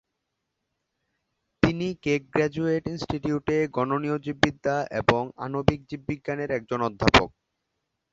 তিনি Keck graduate ইনস্টিটিউটে গণনীয় জীববিদ্যা এবং আণবিক জীববিজ্ঞানের একজন অধ্যাপক।